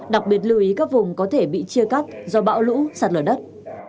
đặc biệt lưu ý các vùng có thể bị chia cắt do bão lũ sạt lở đất